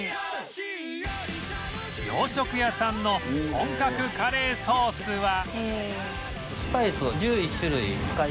洋食屋さんの本格カレーソースは